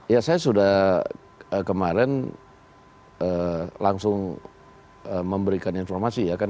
ya saya sudah kemarin langsung memberikan informasi ya kan